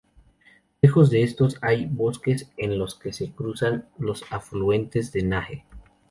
Lejos de estos hay bosques en los que se cruzan los afluentes del Nahe.